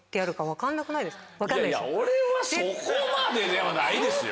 俺はそこまでではないですよ。